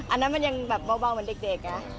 อันนั้นมันยังแบบเบาเหมือนเด็กนะ